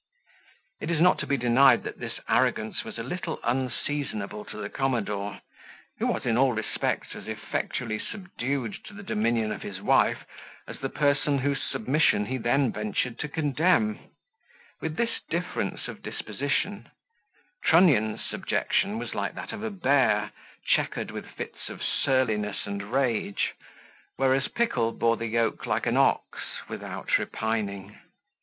It is not to be denied that this arrogance was a little unseasonable to the commodore, who was in all respects as effectually subdued to the dominion of his wife as the person whose submission he then ventured to condemn; with this difference of disposition , Trunnion's subjection was like that of a bear, chequered with fits of surliness and rage; whereas Pickle bore the yoke like an ox, without repining.